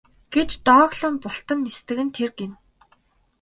гэж дооглон бултан нисдэг нь тэр гэнэ.